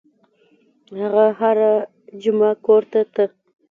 هغه هره جمعه کور ته ته.